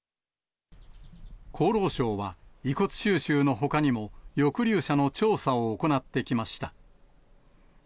厚労省は、遺骨収集のほかにも、抑留者の調査を行ってきました。